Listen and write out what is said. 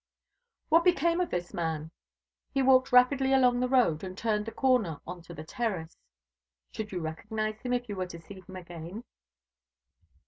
"What became of this man?" "He walked rapidly along the road, and turned the corner on to the terrace." "Should you recognise him if you were to see him again?"